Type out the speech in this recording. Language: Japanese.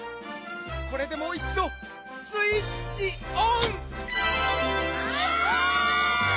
これでもういちどスイッチオン！わ！